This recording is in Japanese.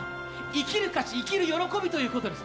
生きる価値、生きる喜びということです。